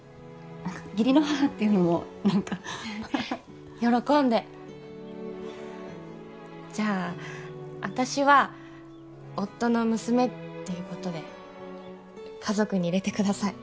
義理の母っていうのもなんか喜んでじゃあ私は夫の娘っていうことで家族に入れてください